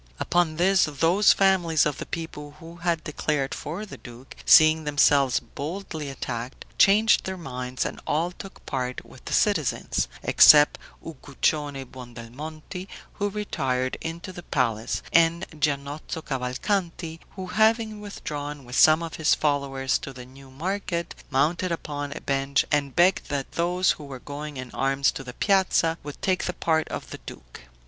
Upon this, those families of the people who had declared for the duke, seeing themselves boldly attacked, changed their minds, and all took part with the citizens, except Uguccione Buondelmonti, who retired into the palace, and Giannozzo Cavalcanti, who having withdrawn with some of his followers to the new market, mounted upon a bench, and begged that those who were going in arms to the piazza, would take the part of the duke.